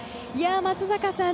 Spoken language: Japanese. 松坂さん